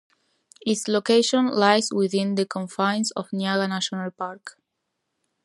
Its location lies within the confines of Nyanga National Park.